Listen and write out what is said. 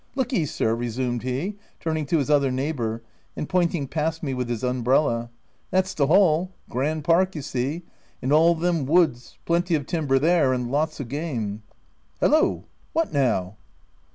Look ye sir," resumed he, turning to his other neighbour, and pointing past me with his umbrella, M that's the hall — grand park, you see — and all them woods — plenty of timber there, and lots of game — hallo I what now